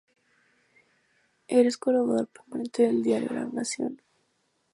Es colaborador permanente del diario "La Nación".